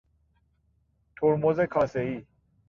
ترمز کاسهای